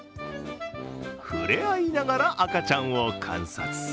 触れ合いながら赤ちゃんを観察。